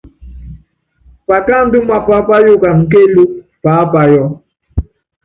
Pakáandú mapá páyukana kéélúkú paápayɔ.